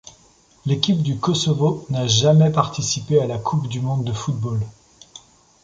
L'équipe du Kosovo n'a jamais participé à la Coupe du monde de football.